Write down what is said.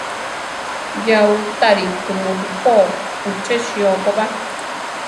Yáutari tumu rupoo uché sío ko ba.